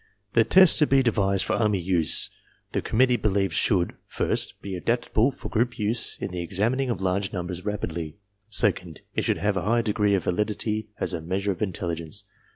The test to be devised for army use the committee believed should, first, be adaptable for group use for the examining of J^ rge numbers rapidly. Second, it should have a high degree of validity as a measure of intelligence.